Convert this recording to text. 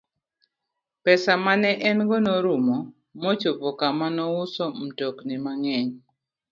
Pesa ma ne en go norumo mochopo kama nouso mtokni mang'eny.